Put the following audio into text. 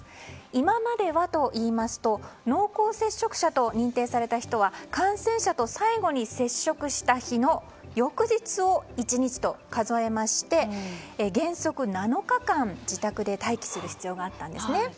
今まではといいますと濃厚接触者と認定された人は感染者と最後に接触した日の翌日を１日と数えまして原則７日間、自宅で待機する必要があったんですね。